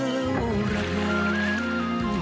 แล้วนอกจากนั้นค่ะ